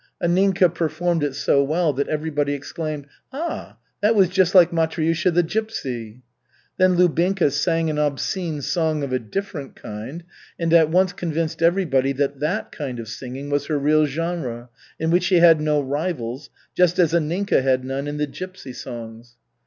Anninka performed it so well that everybody exclaimed, "Ah, that was just like Matryusha the gypsy." Then Lubinka sang an obscene song of a different kind, and at once convinced everybody that that kind of singing was her real genre, in which she had no rivals, just as Anninka had none in the gypsy songs.